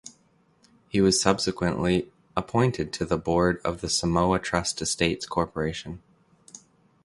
He was subsequently appointed to the board of the Samoa Trust Estates Corporation.